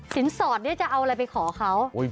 สอดเนี่ยจะเอาอะไรไปขอเขา